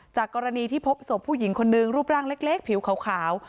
จากกรณีที่พบศพผู้หญิงคนนึงรูปร่างเล็กผิวขาว